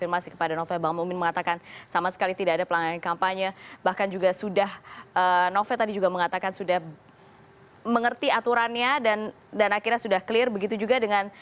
mengerti aturannya dan akhirnya sudah clear begitu juga dengan